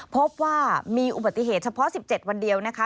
พบว่ามีอุบัติเหตุเฉพาะ๑๗วันเดียวนะคะ